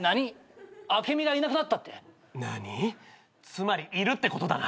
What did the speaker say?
つまりいるってことだな。